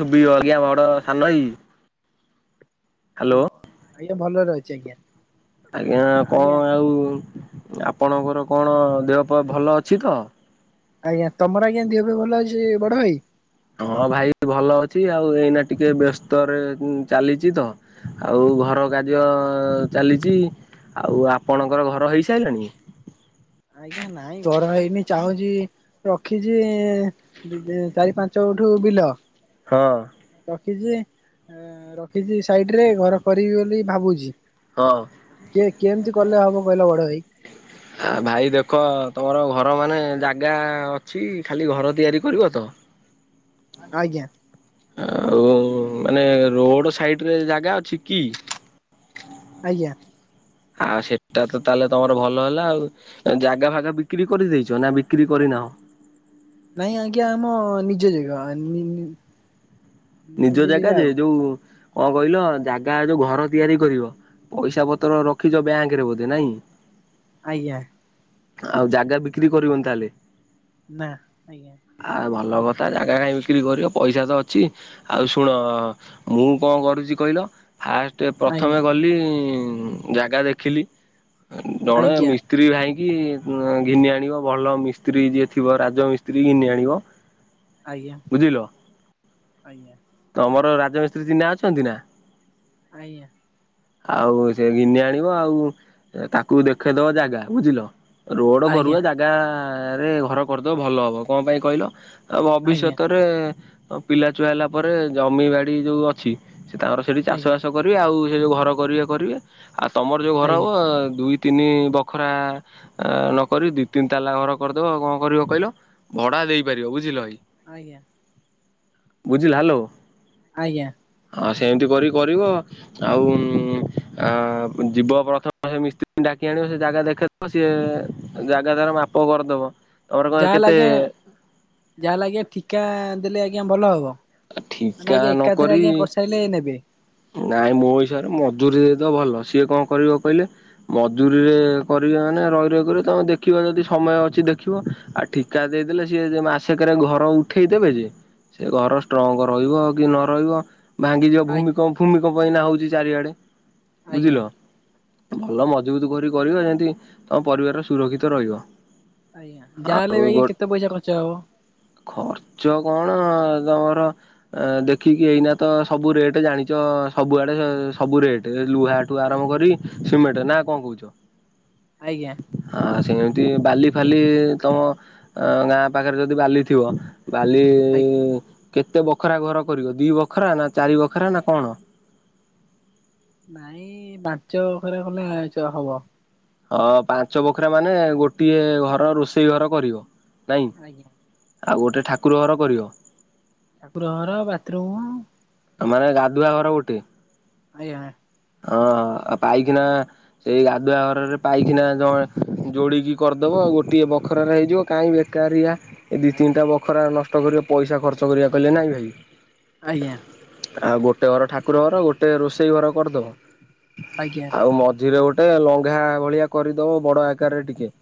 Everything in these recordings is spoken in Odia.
ତୁ ବି ବଗିଆ ବଡ ସାନ ଏଇ [unintelligible] ଣ ଆଜ୍ଞା ଭଲରେ ରହିଚି ଆଜ୍ଞା। ଆଜ୍ଞା କଁ ଆଜ୍ଞା ଆଉ ଆପଣଙ୍କର କଣ ଦେହ ପା ଭଲ ଅଛି ତ? ଆଜ୍ଞା ତମର ଆଜ୍ଞା ଦିହ ଫିଅ ଭଲ ଅଛି ବଡ ଭାଇ? ହଁ ଭାଇ ଭଲ ଅଛି ଆଉ ଏଇନା ଟିକେ ବ୍ୟସ୍ତରେ ଉଁ ଚାଲିଚି ତ ଆଉ ଘର କାର୍ଯ୍ୟ ଚାଲିଚି। ଆଉ ଆପଣଙ୍କର ଘର ହେଇ ସାଇଲାଣି? ଆଜ୍ଞା ନାଇଁ ଘର ହେଇନି ଚାହୁଁଚି ରଖିଚି ଇଁ [unintelligible] ଚାରି ପାଞ୍ଚ ଗୁଣ୍ଠୁ ବିଲ। ହଁ। ରଖିଚି ଅଁ ର କିଛି ସାଇଡ୍ ରେ ଘର କରିବି ବୋଲି ଭାବୁଛି। ହଁ। କେ କେମ୍ତି କଲେ ହବ କହିଲ ବଡ ଭାଇ? ଆ ଭାଇ ଦେଖ ତମର ଘର ମାନେ ଜାଗା ଅଛି ଖାଲି ଘର ତିଆରି କରିବ ତ? [inaudible] ଆଜ୍ଞା। ଆଉ ମାନେ ରୋଡ ସାଇଡ୍ ରେ ଜାଗା ଅଛି କି? ଆଜ୍ଞା। ଆ ସେଟା ତ ତାଏଲେ ତମର ଭଲ ହେଲା ଆଉ। ଜାଗା ଭାଗା ବିକ୍ରି କରିଦେଇଛ ନା ବିକ୍ରି କରିନାହ? ନାଇଁ ଆଜ୍ଞା ଆମ ନିଜ ଜାଗା। ନିଜ ଜାଗା ଯେ ଯୋଉ କଣ କହିଲ ଜାଗା ଯୋଉ ଘର ତିଆରି କରିବ। ପଇସା ପତ୍ର ରଖିଚ ବ୍ୟାଙ୍କ ରେ ବୋଧେ ନାଇଁ। ଆଜ୍ଞା। ଆଉ ଜାଗା ବିକ୍ରି କରିବନି ତାହେଲେ। ନା ଆଜ୍ଞା ଆ ଭଲ କଥା ଜାଗା ନାଇଁ କାଇଁ ବିକ୍ରି କରିବ ପଇସା ତ ଅଛି। ଆଉ ଶୁଣ ମୁଁ କଣ କରୁଛି କହିଲ ଫାଷ୍ଟ ଆଜ୍ଞା ପ୍ରଥମେ ଗଲି ଜାଗା ଦେଖିଲି ଜଣେ ଆଜ୍ଞା ମି ମିସ୍ତ୍ରୀ ଭାଇକି ଘିନି ଆଣିବ ଭଲ ମିସ୍ତ୍ରୀ ଯିଏ ଥିବ ରାଜମିସ୍ତ୍ରୀ ଘିନି ଆଣିବ। ହଁ [unintelligible] ଆଜ୍ଞା ଆଜ୍ଞା। ତମର ରାଜମିସ୍ତ୍ରୀ ଚିହ୍ନା ଅଛନ୍ତି ନା? ଆଜ୍ଞା। ଆଉ ସେ ଗିନି ଆଣିବ ଆଉ ତାକୁ ଦେଖେଇଦବ ଜାଗା ବୁଝିଲ। ରୋଡ ଆଜ୍ଞା ଆଜ୍ଞା କରୁଆ ଜାଗ ରେ ଘର କରିଦବ ଭଲ ହବ କଣ ପାଇଁ କହିଲ ଆ ଭବିଷ୍ୟତ ରେ ପିଲା ଚୁଆ ହେଲା ପରେ ଜମି ବାଡି ଯୋଉ ଅଛି ସେ ତାଙ୍କର ସେଠି ଚାଷ ଆଜ୍ଞା ବାସ କରିବେ ଆଉ ସେ ଯୋଉ ଘର କରିବେ କରିବେ ଆଉ ତମର ଯୋଉ ଘର ହବ ଆଜ୍ଞା ଦୁଇ ତିନି ବଖରା ନକରି ଦି ତିନି ତାଲା ଘର କରିଦବଉ କଣ କରିବ କହିଲ? ଭଡ଼ା ଦେଇପାରିବ ବୁଝିଲ ଭାଇ। ଆଜ୍ଞା। ବୁଝିଲ ହାଲୋ। ଆଜ୍ଞା। ହଁ ସେମିତି କରିକି କରିବ। ଆଉ ଆ ଯିବ ପ୍ରଥମେ ସେ ମିସ୍ତ୍ରୀ ଡାକି ଆଣିବ ସେ ଜାଗା ଦେଖେଇଦବ ସିଏ ଜାଗା ତାର ମାପ କରିଦବ। ତମର କଣ ଯାହା ହେଲେ କେତେ ଆଜ୍ଞା ଯାହା ହେଲେ ଆଜ୍ଞା ଠିକା ଦେଲେ ଆଜ୍ଞା ଭଲ ହବ। ନାହିଁ ଠିକା ଆଜ୍ଞା ଏକାଥରେ ନକରି ଆଜ୍ଞା କରିସାରିଲେ ନେବି। ନାଇଁ ମୋ ହିସାବରେ ମଜୁୁରୀ ଦେଇଦବ ଭଲ ସିଏ କଣ କରିବ କହିଲେ? ମଜୁୁରୀରେ କରିବେ ମାନେ ରହି ରହିିବ ତମେ ଦେଖିବା ଯଦି ସମୟ ଅଛି ଦେଖିବ। ଆ ଠିକା ଦେଇଦେଲେ ସିଏ ଯେ ମାସେକରେ ଘର ଉଠେଇ ଦେେବେ ଯେ ସେ ଘର ଷ୍ଟ୍ରଙ୍ଗ୍ ରହିବ କି ନ ରହିବ? ଭାଙ୍ଗିଯିବ ଆଜ୍ଞା ଭୂମିକମ୍ପ ଭୂମିକମ୍ଫ ହେଉଚି ଚାରିଆଡ଼େ ଆଜ୍ଞା ବୁଝିଲ। ଭଲ ମଜବୁତ୍ କରି କରିବେ ଯେମିତି ତମ ପରିବାରର ସୁରକ୍ଷିତ ରହିବ। ଆଜ୍ଞା ଆଉ ଯାହାହେଲେବି ଗୋ କେତେ ପଇସା ଖର୍ଚ୍ଚ ହବ? ଖର୍ଚ୍ଚ କଣ ତମର ଦେଖିକି ଏଇନା ତ ସବୁ ରେଟ୍ ଜାଣି ତ ସବୁଆଡେ ସବୁ ରେଟ ଲୁହାଠୁ ଆରମ୍ଭ ଆଜ୍ଞା କରି ସିମେଣ୍ଟ ନା କଣ କହୁଚ। ଆଜ୍ଞା। ହଁ ସେମିତି ବାଲି ଫାଲି ତମ ଗାଁ ପାଖରେ ଯଦି ବାଲି ଥିବ ବାଲି ଆଜ୍ଞା କେତେ ବଖରା ଘର କରିବ ଦିଇ ବଖରା ନା ଚାରି ବଖରା ନା କଣ? ନାଇଁ ପାଞ୍ଚ ବଖରା ଖଡେ [unintelligible] ଘରେ କଲେ ହବ ହଁ ପାଞ୍ଚ ବଖରାଆ ମାନେ ଗୋଟିଏ ଘର ରୋଷେଇ ଘର କରିବ ନାଇଁ। ଆଜ୍ଞା ଆଉ ଗୋଟେ ଠାକୁର ଘର କରିବ। ଠାକୁର ଘର ବାଥରୁମ୍ ମାନେ ଗାଧୁଆ ଘର ଗୋଟେ। ଆଜ୍ଞା ହଁ ପାଇଖିନା। ସେଇ ଗାଧୁଆ ଘରରେ ପାଇକିନା ଜଣ ଯୋଡିକି କରିଦବ ଗୋଟିଏ ବଖରାରେ ହେଇଯିବ କାହିଁକି? ବେକାରିଆ ଏ ଦୁଇ ଆଜ୍ଞା ତିନିଟା ବଖରା ନଷ୍ଟ କରିବ ପଇସା ଖର୍ଚ୍ଚ କରିବା କହିଲେ ନାଇଁ ଭାଇ। ଆଜ୍ଞା। ଆଉ ଗୋଟେ ଘର ଠାକୁର ଘର ଗୋଟେ ରୋଷେଇ ଘର କରିଦବ। ଆଜ୍ଞା। ଆଉ ମଝିରେ ଗୋଟେ ଲଙ୍ଘା ଭଳିଆ କରିଦବ ବଡ ଆକାରରେ ଟିକେ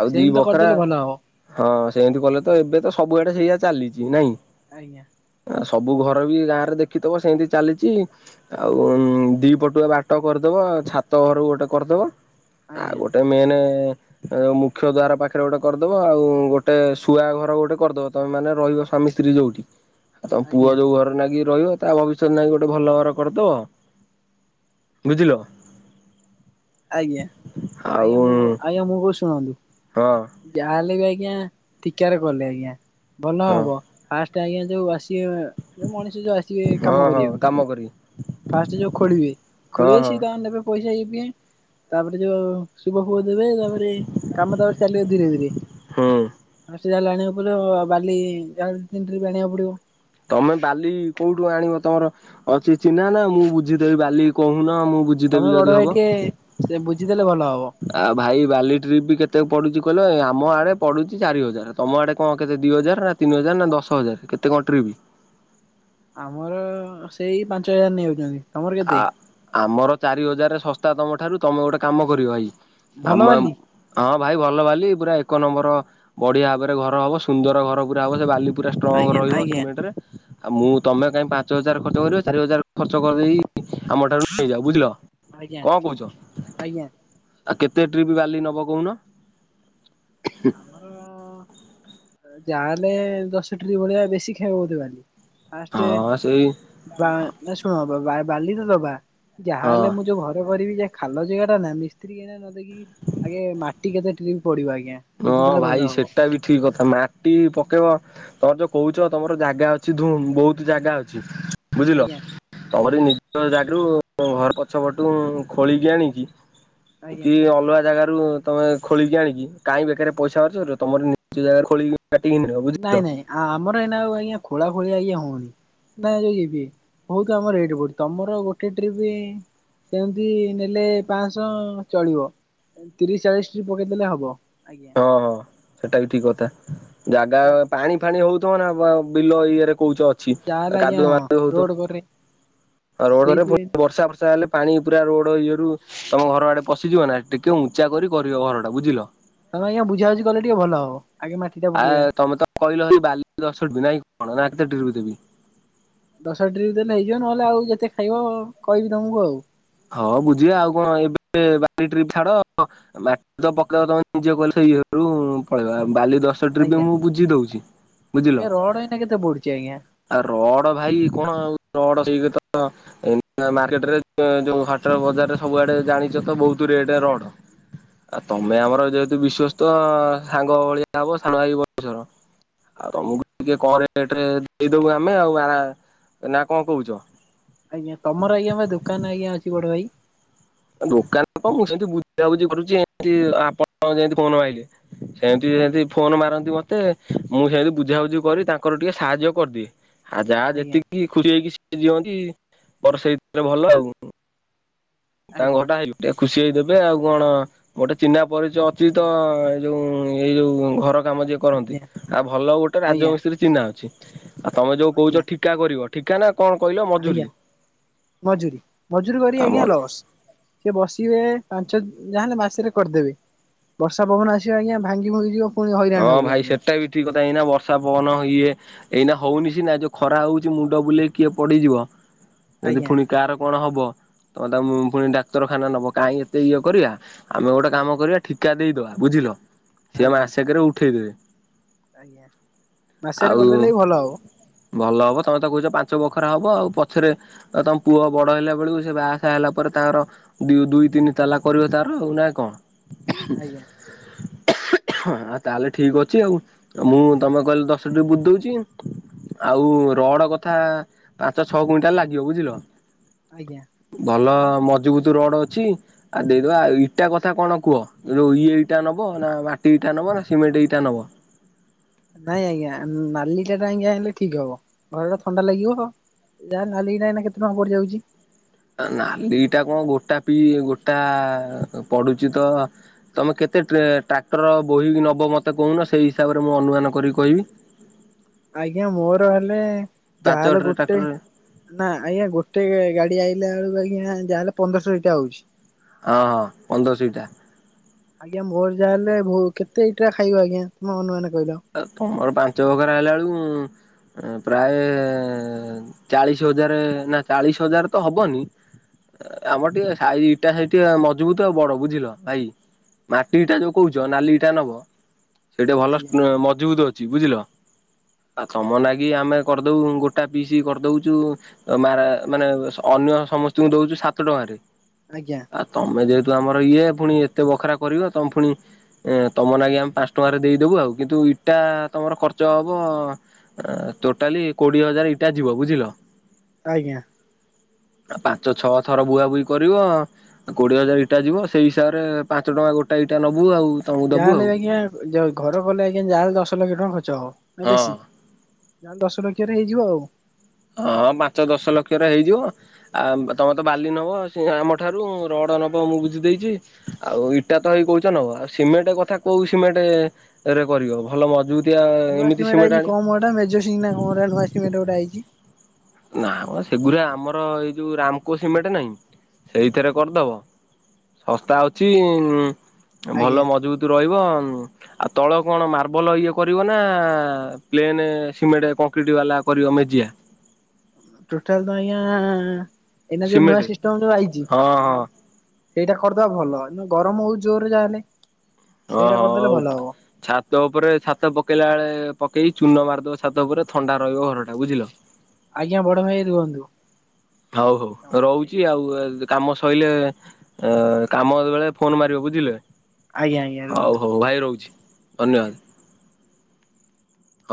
ଆଉ ଦି ସେମିତି ତ ବଖରା କରିଦେଲେ ଭଲ ହବ ହଁ ସେମିତି କଲେ ତ ଏବେ ତ ସବୁଆଡେ ସେଇଆା ଚାଲିଛି ନାଇଁ। ଆଜ୍ଞା। ଆ ସବୁ ଘର ବି ଗାଁ ରେ ଦେଖିଥିବ ସେମତି ଚାଲିଛି ଆଉ ଦି ପଟ। ଗୋ ବାଟ କରିଦବ ଛାତ ଘରକୁ ଗୋଟେ କରିଦବ ଆଉ ଆଜ୍ଞା ଗୋଟେ ମେନ୍ ମୁଖ୍ୟ ଦ୍ଵାର ପାଖରେ ଗୋଟେ କରିଦବ ଆଉ ଗୋଟେ ଶୁଆ ଘର ଗୋଟେ କରିଦବ। ତମେ ମାନେ ରହିବ ସ୍ୱାମୀ ସ୍ତ୍ରୀ ଯୋଉଠି? ଆଉ ତମ ପୁଅ ଆଜ୍ଞା ଯୋଉ ଘରେ ନାଗି ରହିବ ତା ଭବିଷ୍ୟତ ଲାଗି ଗୋଟେ ଭଲ ଘର କରିଦବ। ବୁଝିଲ? ଆଜ୍ଞା, ଆଉ ଆଜ୍ଞା ମୁଁ କହୁ ଆଜ୍ଞା ମୁଁ କହୁଛି ଶୁଣନ୍ତୁ। ହଁ। ଯାହା ହେଲେ ବି ଆଜ୍ଞା ଠିକାରେ କଲେ ଆଜ୍ଞା ଭଲ ହଁ ହବ ଫାଷ୍ଟ ଆଜ୍ଞା ଯୋଉ ଆସି ଯେଉଁ ମଣିଷ ଯୋଉ ଆସିବେ ହଁ କାମ ହଁ କରିବାକୁ। କାମ କରିବି ଫାଷ୍ଟ ଯୋଉ ଖୋଳିବେ, ହଁ ଖୋଳିବେ ହଁ ସିଏ ତାଙ୍କର ନେବେ ପଇସା ଇଏ ଫିଏ। ତାପରେ ଯୋଉ ଶୁଭ ଫୁଭ ଦେବେ ତାପରେ କାମ ତାପରେ ଚାଲିବ ଧୀରେ ଧୀରେ। ହୁଁ ସେ ଯାହା ହେଲେ ଆଣିବାକୁ ପଡିବ ବାଲି ଯାହାହେଲେ ତିନି ଟ୍ରିପ ଆଣିବାକୁ ପଡିବ। ତମେ ବାଲି କୋଉଠୁ ଆଣିବ? ତମର ଅଛି ଚିହ୍ନା ନା ମୁଁ ବୁଝିଦେବି ବାଲି କହୁନ ମୁଁ ବୁଝି ତମେ ବଡ ଭାଇ ଟିକେ ସେ ବୁଝିଦେଲେ ଭଲ ହବ। ଆଉ ଭାଇ ବାଲି ଟ୍ରିପ୍ ବି କେତେ ପଡୁଛି କହିଲେ ଆମ ଆଡେ ପଡୁଛି ଚାରି ହଜାର ତମ ଆଡେ କଣ କେତେ ଦି ହଜାର ନା? ତିନି ହଜାର ନା ଦଶ ହଜାର କେତେ କଣ ଟ୍ରିପ? ଆମର ସେଇ ପାଞ୍ଚ ହଜାର ନେଉଛନ୍ତି। ଆ ଆମର ଚାରି ହଜାର ଶସ୍ତା ତମଠାରୁ ତମେ ଗୋଟେ କାମ କରିବ ଭାଇ ଭଲ ଆମେ ବାଲି ହଁ ଭାଇ ଭଲ ବାଲି ପୁରା ଏକ ନମ୍ବର ବଢ଼ିଆ ଭାବରେ ଘର ହେବ ସୁନ୍ଦର ଘର ପୁରା ହେବ ସେ ବାଲି ପୁରା ଷ୍ଟ୍ରଙ୍ଗ ଆଜ୍ଞା ରହିବ ଆଜ୍ଞା ସିମେଣ୍ଟ ରେ ଆଉ ମୁଁ ତମେ କାହିଁକି ପାଞ୍ଚ ହଜାର ଖର୍ଚ୍ଚ କରିବ, ଚାରି ହଜାର ଖର୍ଚ୍ଚ କରିଦେଇ ଆମ ଠାରୁ ନେଇଯାଅ ବୁଝିଲ, ଆଜ୍ଞା କଣ କହୁଛ? ଆଜ୍ଞା ଆଉ କେତେ ଟ୍ରିପ୍ ବାଲି ନବ କହୁନ? ଆମର ଯା ହେଲେ ଦଶ ଟ୍ରିପ ଭଳିଆ, ବେଶୀ ଖାଇବ ବୋଧେ ବାଲି? ଫାଷ୍ଟ ହଁ ସେଇ ବା ନ ଶୁଣ ବାଲି ତ ଦବା। ହଁ ଯାହାହେଲେ ମୁଁ ଯୋଉ ଘରେ କରିବି ଯେ ଖାଲ ଜାଗା ଟା ନା ମିସ୍ତ୍ରୀଆଗେ ମାଟି କେତେ ନା ଦେଖିକି ଆଗେ ମାଟି କେତେ ଟ୍ରିପ ପଡିବ ଆଜ୍ଞା। ହଁ ବୁଝିଦେଲେ ଭଲ ଭାଇ ହବ ସେଟା ବି ଠିକ କଥା ମାଟି ପକେଇବ। ତମର ଯୋଉ କହୁଛ ତମର ଜାଗା ଅଛି ଧୁମ୍ ବହୁତ ଜାଗା ଅଛି। ବୁଝିଲ ଆଜ୍ଞା ତମରି ଆଜ୍ଞା। ନିଜର ଜାଗରୁ ଘର ପଛ ପଟୁ ଖୋଳିକି ଆଣିକି ଆଜ୍ଞା କି ଅଲଗା ଜାଗାରୁ ରୁ ତମେ ଖୋଳିକି ଆଣିକି କାଇଁ ବେକାରରେ ପଇସା ଖର୍ଚ୍ଚ କରିବ ତମରି ନିଜ ଜାଗାରୁ ଖୋଳିକି ମାଟି କାଇଁ ନ ପୁରେଇବ। [unintelligible] ନାଇଁ ନାଇଁ ଆମର ଏଇନା ଆଜ୍ଞା ଖୋଳା ଖୋଳି ଆଜ୍ଞା ହଉନି। ନାଇଁ [unintelligible] ବହୁତ୍ ଆମର ରେଟ୍ ଏଇଠି ତମର ଗୋଟେ ଟ୍ରିପ। ସେମିତି ନେଲେ ପାଶ ଚଳିବ। ତିରିଶ ଚାଳିଶ ଟ୍ରିପ ପକେଇଦେଲେ ହବ ଆଜ୍ଞା। ହଁ ହଁ ସେଟା ବି ଠିକ କଥା ଜାଗା ପାଣି ଫାଣି ହଉଥିବନା ବା ବିଲ ଇଏରେ କହୁଛ ଅଛି। ଯାହାହେଲେ ଆଜ୍ଞା କାଦୁଅ ହଁ ମାଦୁଅ ହଉଥିବ। ରୋଡ କରେ ହଁ ରୋଡରେ ସେଇଥିପାଇଁ ଫୁଣି ବର୍ଷା ଫର୍ଷା ହେଲେ ପାଣି ପୁରା ରୋଡ ଇଏରୁ ତମ ଘର ଆଡେ ପଶିଯିବ ନା ଟିକେ ଉଞ୍ଚା ତ କରି କରିବ ଘର ଟା ବୁଝିଲ। ତମେ ଆଜ୍ଞା ବୁଝା ବୁଝି କଲେ ଟିକେ ଭଲ ହବ। ଆଗେ ମାଟି ଟା ଆ ପକେଇବା। ତମେ ତ କହିଲ ଖାଲି ବାଲି ଦଶ ଟ୍ରିପ ନାଇଁ କଣ ନା କେତେ ଟ୍ରିପ ଦେବି? ଦଶ ଟ୍ରିପ ଦେଲେ ହେଇଯିବ ନହେଲେ ଆଉ ଯେତେ ଖାଇବ କହିବି ତମକୁ ଆଉ। ହଁ ବୁଝିବା ଆଉ କଣ ଏବେ ବାଲି ଟ୍ରିପ ଛାଡ। ମାଟି ତ ପକେଇବ ତମେ ନିଜେ କହିଲ ସେ ଇଏରୁ ପଳେଇବା ବାଲି ଦଶ ଟ୍ରିପ ଦଶ ଟ୍ରିପ ଆଜ୍ଞା। ମୁଁ ବୁଝି ଦଉଛି ବୁଝିଲ। ଆଜ୍ଞା ରଡ ଏଇନା କେତେ ପଡୁଛି ଆଜ୍ଞା ଆଉ ରଡ ଭାଇ କଣ ଆଉ ରଡ ସେଇ କଥା ଏଇନା ମାର୍କେଟରେ ଯୋଉ ହାଟର ବଜାରରେ ସବୁଆଡେ ଜାଣିଛ ତ ବୋହୁତ ରେଟରେ ରଡ। ଆଉ ତମେ ଆଜ୍ଞା ଆମର ଯେହେତୁ ବିଶ୍ଵସ୍ତ ସାଙ୍ଗ ଭଳିଆ ହବ ସାନ ଭାଇ ବୟସର। ଆଉ ଆଜ୍ଞା ତମକୁ ଟିକେ କମ ରେଟରେ ଦେଇଦବୁ ଆମେ ଆଉ ନା କଣ କହୁଛ? ଆଜ୍ଞା ତମର ଆଜ୍ଞା ବା ଦୋକାନ ଆଜ୍ଞା ଅଛି ବଡ ଭାଇ? ଦୋକାନ କଣ ମୁଁ ସେମିତି ବୁଝାବୁଝି କରୁଛି ଏମିତି ଆପଣ ଯେମିତି ଫୋନ୍ ମାଇଲେ। ସେମିତି ଆଜ୍ଞା ଯଦି ଫୋନ ମାରନ୍ତି ମୋତେ ମୁଁ ସେମିତି ବୁଝାବୁଝି କରି ତାଙ୍କର ଟିକେ ସାହାଯ୍ୟ କରିଦିଏ। ଆ ଯାହା ଆଜ୍ଞା ଯେତିକି ଖୁସି ହେଇକି ସିଏ ଦିଅନ୍ତି ମୋର ସେଇଥିରେ ଭଲ ଆଉ। ତାଙ୍କ ଆଜ୍ଞା ଘର ଟା ହେଇ ଟିକେ ଖୁସି ହେଇଦେବେ ଆଉ କଣ ଗୋଟେ ଚିହ୍ନା ପରିଚୟ ଅଛି ତ ଆଜ୍ଞା ଯୋଉ ଏଇ ଯୋଉ ଘର କାମ ଯିଏ କରନ୍ତି। ଆଜ୍ଞା ଆଜ୍ଞା ଆଉ ଭଲ ଗୋଟେ ଆଜ୍ଞା ରାଜମିସ୍ତ୍ରୀ ଚିହ୍ନା ଅଛି। ଆଉ ତମେ ଯୋଉ କହୁଛ ଠିକା କରିବ ଠିକା ନା କଣ କହିଲ? ଆଜ୍ଞା ମଜୁରୀ? ମଜୁରୀ ମଜୁୁରୀ କରିବ ଆମ ଆଜ୍ଞା ଲସ୍। ସେ ବସିବେ ପାଞ୍ଚ ଯାହା ହେଲେ ମାସରେ କରିଦେବେ। ବର୍ଷା ପବନ ଆସିବ ଆଜ୍ଞା ଭାଙ୍ଗି ଭଙ୍ଗି ଯିବ ପୁଣି ହଇରାଣ ହଁ ହବୁ ଭାଇ ଆଜ୍ଞା ସେଟା ବି ଠିକ୍ କଥା ଏଇନା ବର୍ଷା ପବନ ଇଏ ଏଇନା ହଉନି ସିନା ଯୋଉ ଖରା ହଉଛି ମୁଣ୍ଡ ବୁଲେଇ କିଏ ପଡିଯିବ। ଯଦି ଆଜ୍ଞା ଫୁଣି କାହାର କଣ ହବ ତମେ ତାକୁ ଫୁଣି ଡାକ୍ତରଖାନା ନବ କାହିଁ ଏତେ ଇଏ କରିବା। ଆମେ ଗୋଟେ ଆଜ୍ଞା କାମ କରିବା ଠିକା ଦେଇଦବା ବୁଝିଲ ସିଏ ଆଜ୍ଞା। ମାସେ କେରେ ଉଠେଇଦେବେ। ଆଜ୍ଞା ମାସେରେ ଆଉ କରିଦେଲେ ବି ଭଲ ହବ। ଭଲ ହବ ତମେ ତ କହୁଛ ପାଞ୍ଚ ବଖରା ହବ ଆଉ ପଛରେ ଆଉ ତମ ପୁଅ ବଡ ହେଲା ବେଳକୁ ସେ ବାହାସାହା ହେଲା ପରେ ତାର ଦୁ ଦୁଇ ତିନି ତାଲା କରିବ ତାର ଆଉ ନା କଣ? ଆଜ୍ଞା। ତାହେଲେ ଠିକ୍ ଅଛି ଆଉ ମୁଁ ତମେ କହିଲେ ଦଶ ଟିପ ବୁଝି ଦଉଛି। ଆଉ ରଡ କଥା ପାଞ୍ଚ ଛଅ କୁଇଣ୍ଟାଲ ଲାଗିବ ବୁଝିଲ। ଆଜ୍ଞା। ଭଲ ମଝୁବୁତ ରଡ ଅଛି। ଆଉ ଦେଇଦବା ଆଉ ଇଟା କଥା କଣ କୁହ ଯୋଉ ଇଏ ଇଟା ନବ ନା ମାଟି ଟି ଇଟା ନବ ନା ସିମେଣ୍ଟ ଇଟା ନବ। ନାଇଁ ଆଜ୍ଞା ନାଲି ଇଟା ଟା ଆଜ୍ଞା ଆଣିଲେ ଠିକ୍ ହବ ଘର ଥଣ୍ଡା ଲାଗିବ। ଯାହା ନାଲି ଇଟା ଏଇନା କେତେ ଟଙ୍କା ପଡିଯାଉଛି? ନାଲି ଇଟା କଣ ଗୋଟା ପି ଗୋଟା ପଡୁଛି ତ ତମେ କେତେ ଟ୍ରାକ୍ଟର ବୋହିକି ନବ ମୋତେ କହୁନ ସେଇ ହିସାବରେ ମୁଁ ଅନୁମାନ କରିକି କହିବି। ଆଜ୍ଞା ମୋର ହେଲେ ଜାହା ପାଞ୍ଚ ହେଲେ ଗୋଟେ। ଟ୍ରାକ୍ଟରରେ ନା ଆଜ୍ଞା ଗୋଟେ ଗାଡି ଆଇଲା ବେଳକୁ ଆଜ୍ଞା ଯାହା ହେଲେ ପନ୍ଦରଶ ଇଟା ଆଉଚି। ହଁ ପନ୍ଦରଶ ଇଟା। ଆଜ୍ଞା ମୋର ଯାହା ହେଲେ କେତେ ଇଟା ଖାଇବ ଆଜ୍ଞା ମୋ ଅନୁମାନ କହିଲ। ଆଉ ତମର ପାଞ୍ଚ ବଖରା ହେଲା ବେଳ କୁ ପ୍ରାୟେ ଚାଳିଶ ହଜାରେ ନା ଚାଳିଶ ହଜାରେ ତ ହବନି। ଆମର ଟିକେ ସାଇଜି ଇଟା ସାଇଜି ଟିକେ ମଝିଭୁତୁ ଆଉ ବଡ ବୁଝିଲ ଭାଇ। ମାଟି ଇଟା ଯୋଉ କହୁଚି ନାଲି ଇଟା ନବ। ସେଇଟି ଭଲ ଆଜ୍ଞା ମଝିଭୁତ୍ ଅଛି ବୁଝିଲ ଆଉ ତମ ନାଗି ଆଜ୍ଞା। ଆମେ କରି ତୁଉ ଗୋଟା ପିସ୍ କରିଦୋଉଚୁ। ମାରା ମାନେ ଅନ୍ୟ ସମସ୍ତଙ୍କୁ ଦୋଉଚୁ ସାତ ଟଙ୍କାରେ। ଆଜ୍ଞା। ଆଉ ତମେ ଯେହେତୁ ଆମର ଇଏ ପୁଣି ଏତେ ବଖରା କରିବ ତମେ ପୁଣି। ତମ ନାଗି ଆମେ ପାଞ୍ଚ ଟଙ୍କାରେ ଦେଇଦବୁ ଆଉ କିନ୍ତୁ ଇଟା ତମର ଖର୍ଚ୍ଚ ହବ। ଟୋଟାଲି କୋଡିଏ ହଜାର ଇଟା ଯିବ ବୁଝିଲ। ଆଜ୍ଞା। ପାଞ୍ଚ ଛଅ ଥର ବୁହାବୁହି କରିବ। କୋଡିଏ ହଜାର ଇଟା ଯିବ ସେଇ ହିସାବରେ ପାଞ୍ଚ ଟଙ୍କା ଗୋଟା ଇଟା ନବୁ ଆଉ। ତମକୁ ଦବୁ ଯାହାହେଲେ ଆଉ। ଆଜ୍ଞା ଘର କଲେ ଆଜ୍ଞା ଯାହାହେଲେ ଦଶ ଲକ୍ଷ୍ୟ ଟଙ୍କା ଖର୍ଚ୍ଚ ହବ ନା ବେଶୀ? ହଁ ତା ହେଲେ ଦଶ ଲକ୍ଷ୍ୟ ରେ ହେଇଯିବ ଆଉ। ହଁ ପାଞ୍ଚ ଦଶ ଲକ୍ଷ ରେ ହେଇଯିବ। ଆ ତମେ ତ ବାଲି ନବ ଆମ ଠାରୁ ରଡ ନବ ମୁଁ ବୁଝିଦେଇଚି। ଆଉ ଇଟା ତ ହେଇ କହୁଚନବ ଆଉ ସିମେଣ୍ଟେ କଥା କୋଉ ସିମେଣ୍ଟେରେ କରିବ ଭଲ ମଝିଭୁତ୍ ତିଆ ଏମିତି ସିମେଣ୍ଟେ ଆଣିବ। ମେଜୋସିଙ୍ଗିନା କଣ ଗୋଟେ ନୂଆ ସିମେଣ୍ଟେ ଗୋଟେ ଆଇଚି? ନା ମ ସେଗୁରା ଆମର ଏଇ ଯୋଉ ରାମକୋସିମେଣ୍ଟେ ନାହିଁ ସେଇଥିରେ କରିଦବ। ଶସ୍ତା ଅଛି ଆଜ୍ଞା ଭଲ ମଝିଭୁତୁ ରହିବ। ଆଉ ତଳ କଣ ମାର୍ବଲ ଇଏ କରିବ ନା ପ୍ଲେନ୍ ସିମେଣ୍ଟେ କଂକ୍ରିଟ୍ ବେଲା କରିବ ମେଜିଆ? ଟୋଟାଲି ତ ଆଜ୍ଞା ଏଇନା ଯୋଉ ସିମେଣ୍ଟ ନୂଆ ସିଷ୍ଟମ୍ ଯୋଉ ଆଇଚି। ହଁ ହଁ ସେଇଟା କରିଦବା ଭଲ ଗରମ ହୋଉଚି ଜୋରରେ ଯାହା ହେଲେ। ତ ହ ଉ। ଛାତ ଉପରେ ଛାତ ପକେଇଲା ବେଳେ ପକେଇ ଚୂନ ମାରିଦବ ଛାତ ଉପରେ ଥଣ୍ଡା ରହିବ ଘରଟା ବୁଝିଲ। ଆଜ୍ଞା ବଡ ଭାଇ ରୁହନ୍ତୁ। ହଉ ହଉ ରହୁଚି ଆଉ କାମ ସରିଲେ ଅ କାମ ବେଳେ ଫୋନ ମାରିବ ବୁଝିଲେ। ଆଜ୍ଞା ଆଜ୍ଞା ହଉ ରୁହନ୍ତୁ ହଉ ଭାଇ ରହୁଚି ଆଜ୍ଞା। ଧନ୍ୟବାଦେ।